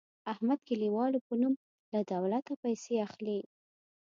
احمد د کلیوالو په نوم له دولته پیسې اخلي.